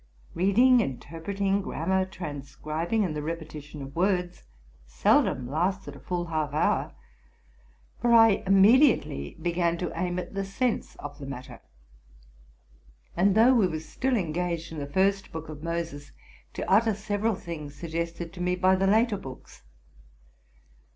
Reading, interpreting, gram mar, transcribing, and the repetition of words, seldom lasted a full half hour; for I immediately began to aim at the sense of the matter, and, though we were still engaged in the first book of Moses, to utter several things suggested to me by the later books.